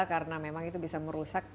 karena memang itu bisa merusak